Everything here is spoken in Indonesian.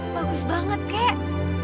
bagus banget kek